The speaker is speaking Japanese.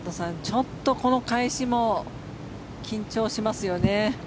ちょっとこの開始も緊張しますよね。